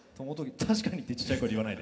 「確かに」ってちっちゃい声で言わないで。